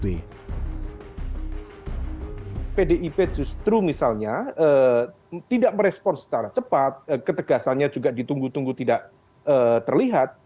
pdip justru misalnya tidak merespon secara cepat ketegasannya juga ditunggu tunggu tidak terlihat